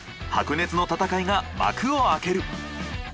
白熱の戦いが幕を開ける！